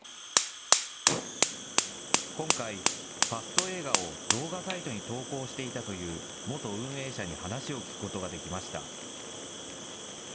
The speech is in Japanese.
今回、ファスト映画を動画サイトに投稿していたという元運営者に話を聞くことができました。